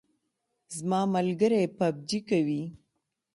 زما ملګری پابجي کوي